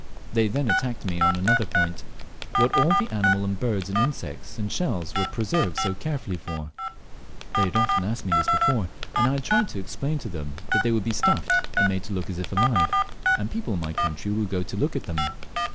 They then attacked me on another point what all the animals and birds and insects and shells were preserved so carefully for. They had often asked me this before, and I had tried to explain to them that they would be stuffed, and made to look as if alive, and people in my country would go to look at them.